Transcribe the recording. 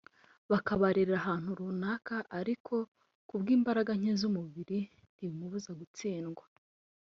bakabarerera ahantu runaka ariko kubw’ imbaraga nke z’umubiri ntibimubuza gutsindwa